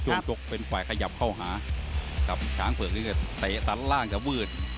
จกเป็นฝ่ายขยับเข้าหากับช้างเผือกนี้ก็เตะตัดล่างจะมืด